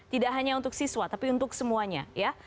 tidak hanya untuk siswa tapi untuk semuanya ya